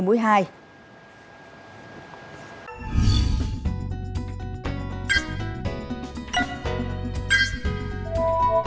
ngày mũi hai